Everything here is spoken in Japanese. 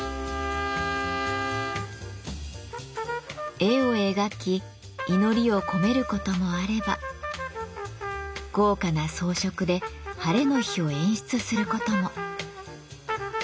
絵を描き祈りを込めることもあれば豪華な装飾でハレの日を演出することも。